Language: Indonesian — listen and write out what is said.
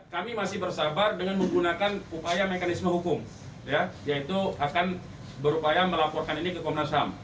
kami masih bersabar dengan menggunakan upaya mekanisme hukum yaitu akan berupaya melaporkan ini ke komnas ham